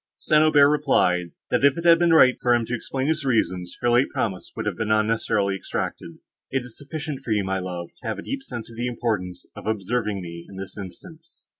St. Aubert replied, that, if it had been right for him to explain his reasons, her late promise would have been unnecessarily exacted. "It is sufficient for you, my love, to have a deep sense of the importance of observing me in this instance."